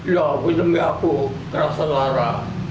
lho aku nangis aku kerasa lara